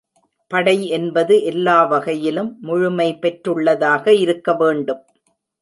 படை என்பது எல்லா வகையிலும் முழுமை பெற்றுள்ளதாக இருக்கவேண்டும்.